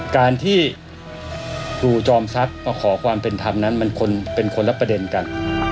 การที่ครูจอมทรัพย์มาขอความเป็นธรรมนั้นมันเป็นคนละประเด็นกัน